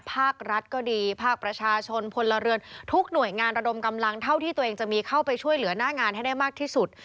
ภาครัฐก็ดีภาคประชาชนพลเรือนทุกหน่วยงานระดมกำลังเท่าที่ตัวเองจะมีเข้าไปช่วยเหลือหน้างานให้ได้มากที่สุด